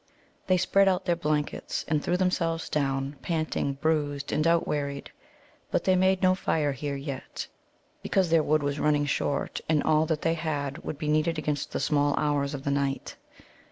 They spread out their blankets and threw themselves down, panting, bruised, and outwearied. But they made no fire here yet, because their wood was running short, and all that they had would be needed against the small hours of the night.